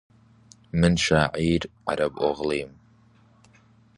من شاعیر عەرەب ئۆغڵیم